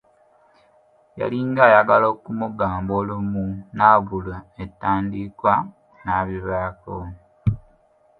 Yalinga ayagala okumugamba olumu n'abulwa entandikwa n'abivaako.